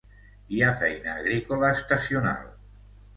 Hi ha feina agrícola estacional.